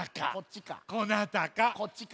こっちか。